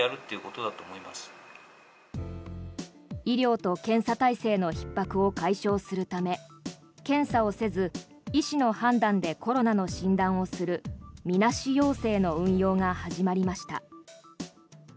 医療と検査体制のひっ迫を解消するため検査をせず医師の判断でコロナの診断をするみなし陽性の運用が始まりました。